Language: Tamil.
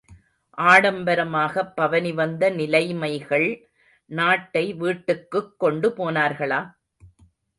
ஆடம்பரமாகப் பவனி வந்த நிலைமைகள் நாட்டை வீட்டுக்குக் கொண்டு போனார்களா?